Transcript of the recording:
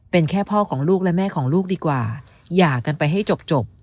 เป็นแค่พ่อของลูกและแม่ของลูกดีกว่าหย่ากันไปให้จบ